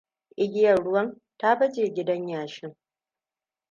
Igiyar ruwan ta baje gidan yashin.